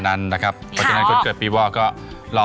แม่บ้านพระจันทร์บ้าน